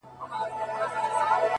خوبيا هم ستا خبري پټي ساتي،